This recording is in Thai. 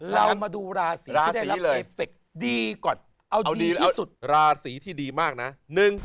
เรามาดูราศีได้รับเอฟเฟค